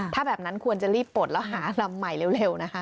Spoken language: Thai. ถ้าแบบนั้นควรจะรีบปลดแล้วหาลำใหม่เร็วนะคะ